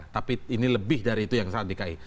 tapi ini lebih dari itu yang saat dki